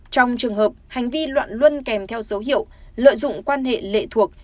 trong trường hợp hành vi loạn luân kèm theo dấu hiệu lợi dụng quan hệ lệ thuộc